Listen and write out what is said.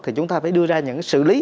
thì chúng ta phải đưa ra những sự lý